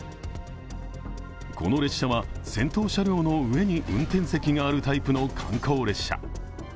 この列車は、先頭車両の上に運転席があるタイプの観光列車。